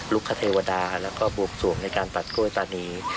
คเทวดาแล้วก็บวกสวงในการตัดกล้วยตานี